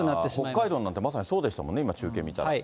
北海道なんて、まさにそうでしたもんね、今、中継見たら。